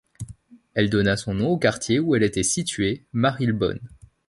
Elle donna son nom au quartier où elle était située, Marylebone.